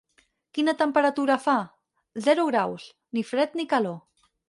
Quina temperatura fa? —Zero graus, ni fred ni calor.